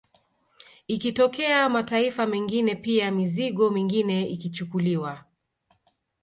Ikitokea mataifa mengine pia mizigo mingine ikichukuliwa